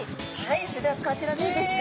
はいそれではこちらです。